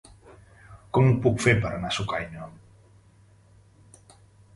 Com ho puc fer per anar a Sucaina?